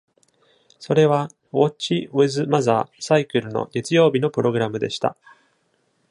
それは、「ウォッチ・ウィズ・マザー」サイクルの月曜日のプログラムでした。